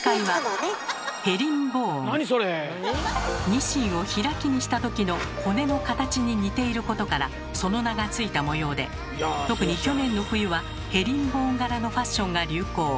ニシンを開きにした時の骨の形に似ていることからその名が付いた模様で特に去年の冬はヘリンボーン柄のファッションが流行。